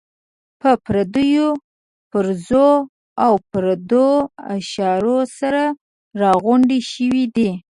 په پردو پرزو او پردو اشارو سره راغونډې شوې دي.